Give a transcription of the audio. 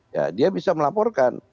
ya dia bisa melaporkan